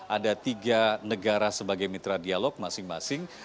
ada tiga negara sebagai mitra dialog masing masing